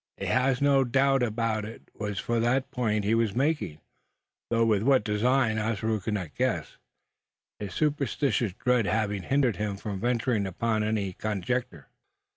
He had no doubt it was for that point he was making, though with what design Ossaroo could not guess his superstitious dread having hindered him from venturing upon any conjecture.